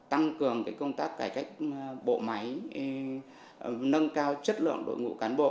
tăng cường công tác cải cách bộ máy nâng cao chất lượng đội ngũ cán bộ